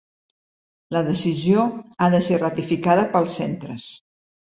La decisió ha de ser ratificada pels centres.